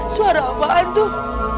suara apaan tuh